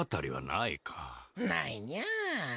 ないにゃ。